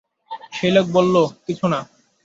সেই লোক বলল, কিছু না।